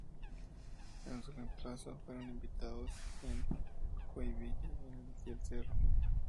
En su reemplazo fueron invitados el Joinville y el Cerro.